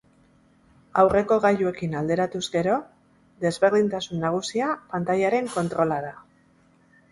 Aurreko gailuekin alderatuz gero, desberdintasun nagusia pantailaren kontrola da.